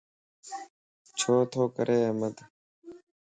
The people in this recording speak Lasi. ڇو تو ڪري احمد؟